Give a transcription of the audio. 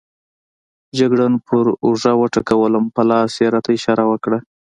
جګړن پر اوږه وټکولم، په لاس یې راته اشاره وکړه.